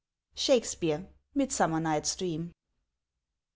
SHAKESPEARE : Midsummer Xight's Dream.